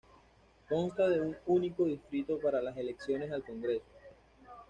Consta de un único distrito para las elecciones al Congreso.